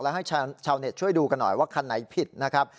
แล้วให้ชาวเน็ตช่วยดูกันหน่อยว่าคันไหนผิดนะครับ